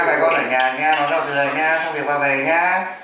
các bà con ở nhà nha nói giao thừa nha xong việc bà về nha